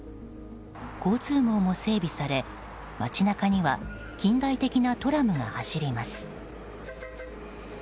交通網も整備され街中には近代的なトラムが走ります。